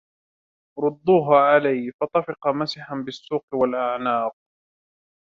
رُدُّوهَا عَلَيَّ فَطَفِقَ مَسْحًا بِالسُّوقِ وَالْأَعْنَاقِ